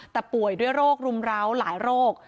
แต่ป่วยด้วยโรครุมร้าวหลายโรค